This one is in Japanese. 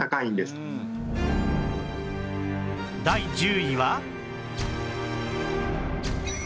第１０位は